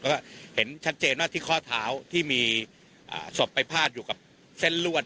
แล้วก็เห็นชัดเจนว่าที่ข้อเท้าที่มีศพไปพาดอยู่กับเส้นลวด